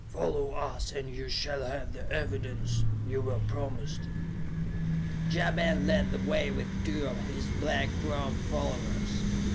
Follow us and you shall have the evidence you were promised." Ja Ben led the way with two of his black robed followers.